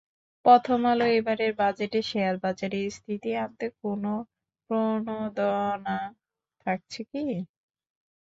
প্রথম আলো এবারের বাজেটে শেয়ারবাজারের স্থিতি আনতে কোনো প্রণোদনা থাকছে িক?